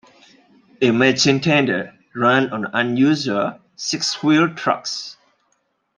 A matching tender ran on unusual six-wheel trucks.